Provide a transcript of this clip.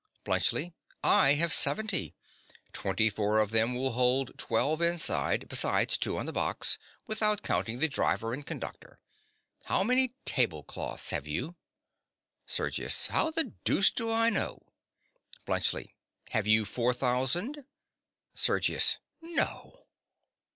BLUNTSCHLI. I have seventy. Twenty four of them will hold twelve inside, besides two on the box, without counting the driver and conductor. How many tablecloths have you? SERGIUS. How the deuce do I know? BLUNTSCHLI. Have you four thousand? SERGIUS. NO.